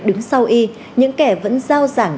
đứng sau y những kẻ vẫn giao giảng